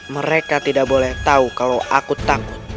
mereka tidak boleh tahu kalau aku takut